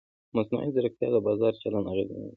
مصنوعي ځیرکتیا د بازار چلند اغېزمنوي.